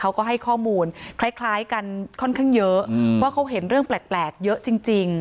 เขาก็ให้ข้อมูลคล้ายกันค่อนข้างเยอะว่าเขาเห็นเรื่องแปลกเยอะจริง